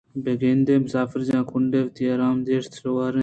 بہ گندے مسافر جاہ ءَ کُنڈے ءَ وتی وڑ ءَ آرام ءُدل نشت ءُشپ ءَ گوٛازینت بہ کنت